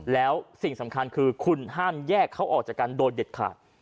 แล้วสิ่งสำคัญคือคุณห้ามแยกเขาออกจากกันโดยเด็ดขาด